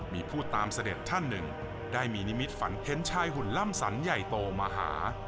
มีผู้ตามเสด็จท่านหนึ่งได้มีนิมิตฝันเห็นชายหุ่นล่ำสันใหญ่โตมาหา